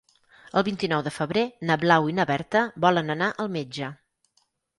El vint-i-nou de febrer na Blau i na Berta volen anar al metge.